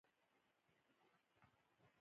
موږ د لسګونو الوتکو ننداره کوله چې بمونه یې غورځول